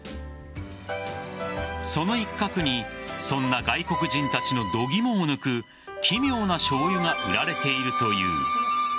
その一角にそんな外国人たちの度肝を抜く奇妙なしょうゆが売られているという。